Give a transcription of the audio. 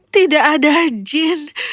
tidak ada jin